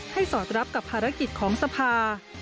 สอดรับกับภารกิจของสภา